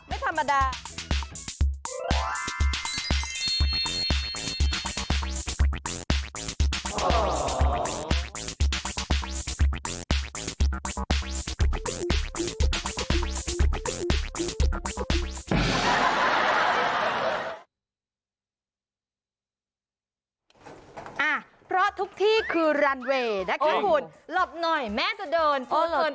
อ่ะเพราะทุกที่คือรันเวย์นะครับคุณหลบหน่อยแม่จะเดิน